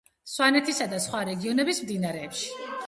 სვანეთისა და სხვა რეგიონების მდინარეებში.